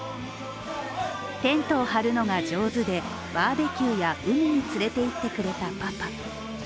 テントを張るのが上手でバーベキューや海に連れていってくれたパパ。